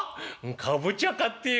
「かぼちゃ買ってよ」。